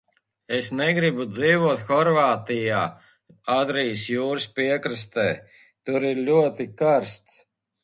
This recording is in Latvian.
Es negribētu dzīvot Horvātijā, Adrijas jūras piekrastē, tur ir ļoti karsts.